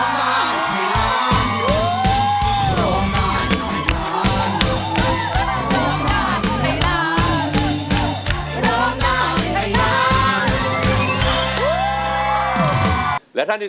จิลจะดี